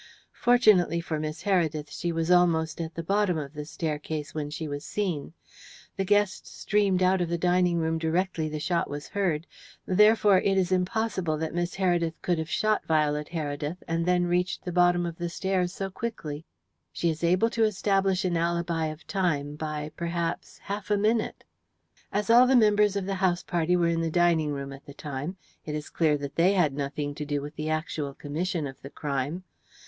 Fortunately for Miss Heredith, she was almost at the bottom of the staircase when she was seen. The guests streamed out of the dining room directly the shot was heard, therefore it is impossible that Miss Heredith could have shot Violet Heredith and then reached the bottom of the stairs so quickly. She is able to establish an alibi of time, by, perhaps, half a minute. "As all the members of the house party were in the dining room at the time, it is clear that they had nothing to do with the actual commission of the crime.